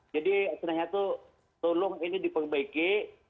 jadi sebenarnya itu tolong ini diperbaiki